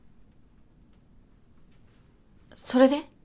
それで？